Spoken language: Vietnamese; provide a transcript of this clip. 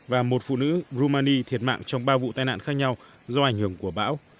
và một phụ nữ rumani thiệt mạng trong ba vụ tai nạn khác nhau do ảnh hưởng của bão